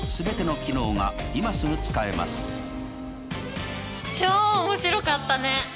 これで超面白かったね。